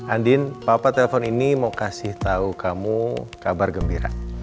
andin papa telpon ini mau kasih tahu kamu kabar gembira